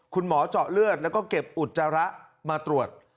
คุณหมอเจาะเลือดแล้วก็เก็บอุจจาระมาตรวจ